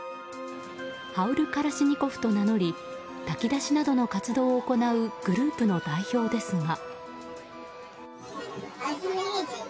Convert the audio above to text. ハウル・カラシニコフと名乗り炊き出しなどの活動を行うグループの代表ですが。